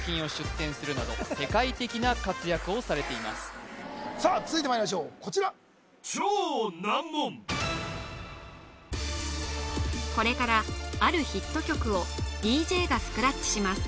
さんはさあ続いてまいりましょうこちらこれからあるヒット曲をＤＪがスクラッチします